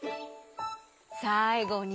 さいごに？